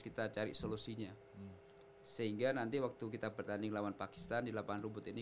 kita cari solusinya sehingga nanti waktu kita bertanding lawan pakistan di lapangan rumput ini